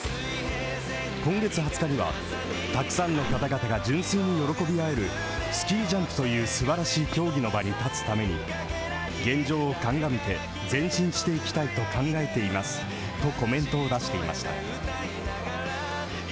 今月２０日には、たくさんの方々が純粋に喜び合えるスキージャンプというすばらしい競技の場に立つために現状を鑑みて前進していきたいと考えていますとコメントを出していました。